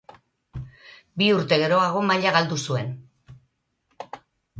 Bi urte geroago maila galdu zuen.